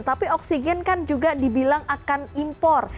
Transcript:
tapi oksigen kan juga dibilang akan impor